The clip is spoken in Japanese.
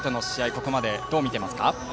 ここまでどのように見ていますか。